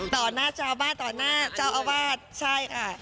ต่อหน้าเจ้าอาบาสต่อหน้าเจ้าอาวาสใช่ค่ะ